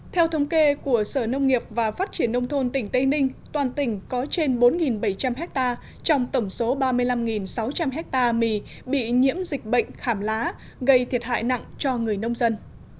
theo thống kê của sở nông nghiệp và phát triển nông thôn tỉnh tây ninh toàn tỉnh có trên bốn bảy trăm linh hectare trong tổng số ba mươi năm sáu trăm linh hectare mì bị nhiễm dịch bệnh khảm lá gây thiệt hại nặng cho người nông dân